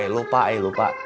lupa eh lupa